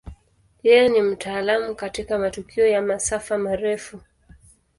Yeye ni mtaalamu katika matukio ya masafa marefu.